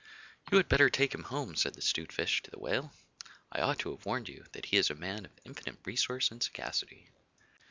'You had better take him home,' said the 'Stute Fish to the Whale. 'I ought to have warned you that he is a man of infinite resource and sagacity.